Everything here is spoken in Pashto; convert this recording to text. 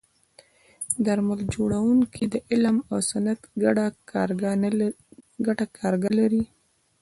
درمل جوړونکي د علم او صنعت ګډه کارګاه لري.